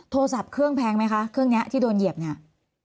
โทรศัพท์เครื่องแพงไหมคะเครื่องนี้ที่โดนเหยียบเนี่ย